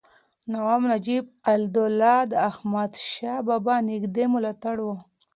نواب نجیب الدوله د احمدشاه بابا نږدې ملاتړی و.